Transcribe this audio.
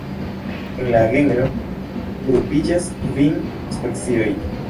En la genro grupiĝas kvin specioj.